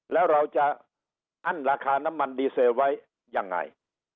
แล้วเราจะอั้นราคาน้ำมันดีเซลไว้ยังไง